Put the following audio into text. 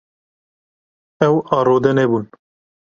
Ew arode nebûn.